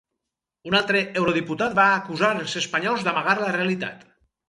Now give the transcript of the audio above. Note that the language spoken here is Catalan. Un altre eurodiputat va acusar els espanyols d’amagar la realitat.